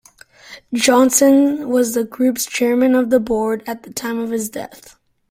Johnson was the group's Chairman of the Board at the time of his death.